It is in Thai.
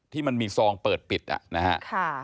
ที่มันมีซองเปิดปิดนะครับ